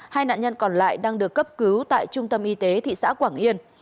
hai nạn nhân còn lại đang được cấp cứu tại trung tâm y tế thị xã quảng yên